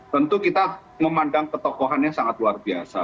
tentu kita memandang ketokohannya sangat luar biasa